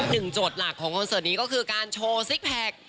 โจทย์หลักของคอนเสิร์ตนี้ก็คือการโชว์ซิกแพค